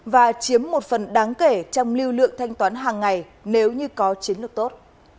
và chiếm một phần đáng kể trong lưu lượng thanh toán hàng ngày nếu như có chiến lược tốt